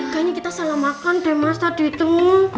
kayaknya kita salah makan deh mas tadi itu